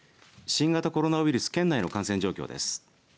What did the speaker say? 新型コロナウイルス県内の感染状況です。